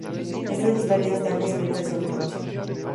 Estas historias están escritas en prosa.